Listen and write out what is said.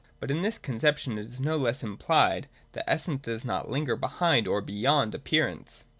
But in this conception it is no less implied that essence does not linger behind or beyond appearance.